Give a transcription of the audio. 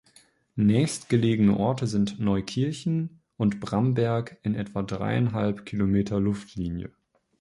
Nächstgelegene Orte sind Neukirchen und Bramberg in etwa dreieinhalb Kilometer Luftlinie.